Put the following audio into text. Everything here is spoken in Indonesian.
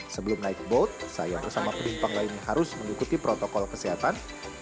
sebelum naik boat saya bersama penumpang lainnya harus mengikuti protokol kesehatan